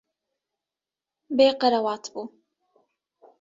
Bê qerewat bû.